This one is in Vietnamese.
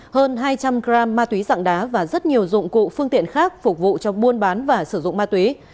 hơn hai trăm linh g ma túy dạng đá và rất nhiều dụng cụ phương tiện khác phục vụ cho buôn bán và sử dụng ma túy